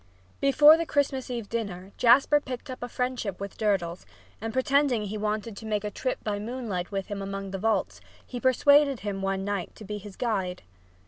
Before the Christmas Eve dinner Jasper picked a friendship with Durdles, and, pretending he wanted to make a trip by moonlight with him among the vaults, he persuaded him one night to be his guide.